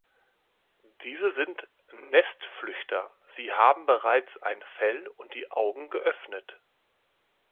Diese sind Nestflüchter, sie haben bereits ein Fell und die Augen geöffnet.